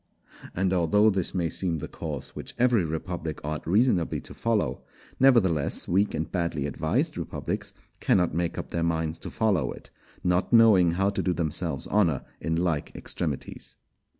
And although this may seem the course which every republic ought reasonably to follow, nevertheless weak and badly advised republics cannot make up their minds to follow it, not knowing how to do themselves honour in like extremities.